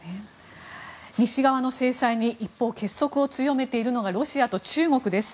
西側の制裁に一方、結束を強めているのがロシアと中国です。